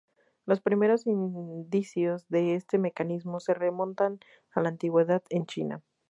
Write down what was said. Los primeros indicios de este mecanismo se remontan a la antigüedad, en China.